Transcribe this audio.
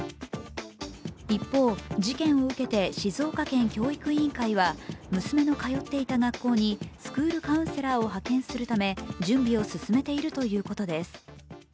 一方、事件を受けて静岡県教育委員会は娘の通っていた学校にスクールカウンセラーを派遣するため準備を進めているということです。